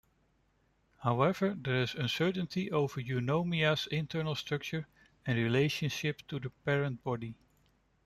However, there is uncertainty over Eunomia's internal structure and relationship to the parent body.